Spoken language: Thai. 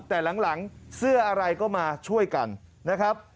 แต่หลังเสื้ออะไรก็มาช่วยกันนะครับ